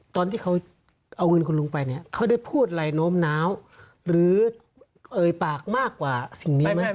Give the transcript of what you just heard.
ตอนที่เขาเอาเงินคุณลุงไปเนี่ยเขาได้พูดอะไรโน้มน้าวหรือเอ่ยปากมากกว่าสิ่งนี้ไหม